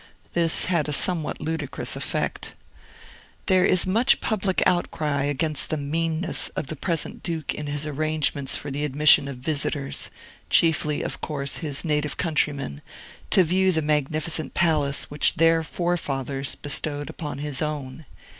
This had a somewhat ludicrous effect. There is much public outcry against the meanness of the present Duke in his arrangements for the admission of visitors (chiefly, of course, his native countrymen) to view the magnificent palace which their forefathers bestowed upon his own.